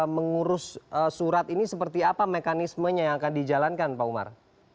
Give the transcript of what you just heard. mengurus surat ini seperti apa mekanismenya yang akan dijalankan pak umar